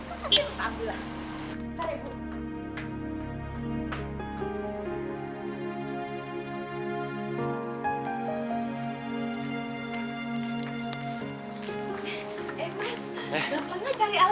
mas gampang gak cari alamatnya